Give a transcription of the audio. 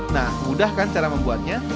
nah mudah kan cara membuatnya